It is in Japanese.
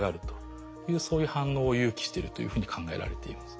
そういう反応を誘起してるというふうに考えられています。